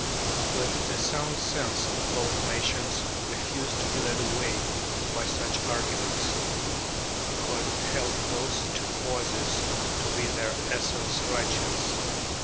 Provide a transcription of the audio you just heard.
But the sound sense of both nations refused to be led away by such arguments, because it held those two causes to be in their essence righteous.